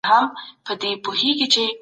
باسواده انسان کولای سي د ټولني رهبري وکړي.